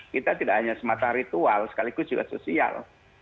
kita tidak hanya semata ritual sekaligus juga sosial